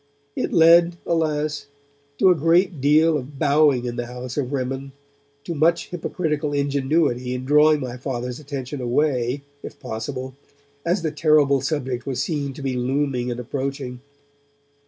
It led, alas! to a great deal of bowing in the house of Rimmon, to much hypocritical ingenuity in drawing my Father's attention away, if possible, as the terrible subject was seen to be looming and approaching.